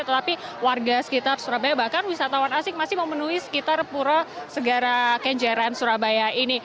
tetapi warga sekitar surabaya bahkan wisatawan asing masih memenuhi sekitar pura segara kenjeran surabaya ini